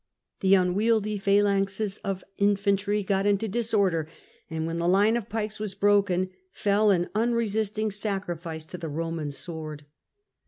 The unwieldy phalanxes of infantry got into disorder, and when the line of pikes was broken, fell an unresisting sacrifice to the Eoman sword.